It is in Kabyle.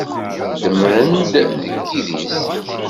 Demmren-d deg yidis.